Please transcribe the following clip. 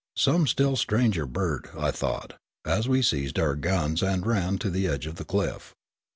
" Some still stranger bird," I thought, as we seized our guns and ran to the edge of the cliff.